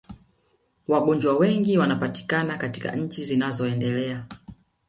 Wagonjwa wengi wanapatikana katika nchi zinazoendelea